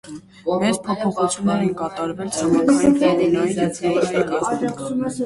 Մեծ փոփոխություններ են կատարվել ցամաքային ֆաունայի և ֆլորայի կազմում։